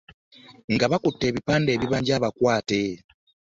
Nga bakutte ebipande ebibanja abakwate.